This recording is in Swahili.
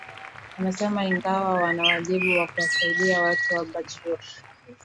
amesema ingawa wana wajibu wa kuwasaidia watu wa bajaur